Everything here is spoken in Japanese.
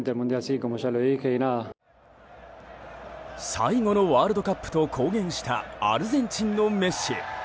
最後のワールドカップと公言したアルゼンチンのメッシ。